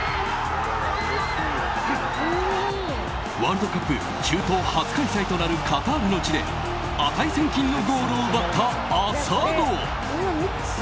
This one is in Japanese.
ワールドカップ中東初開催となるカタールの地で値千金のゴールを奪った浅野。